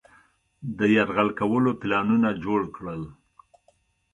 د یرغل کولو پلانونه جوړ کړل.